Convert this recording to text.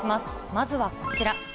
まずはこちら。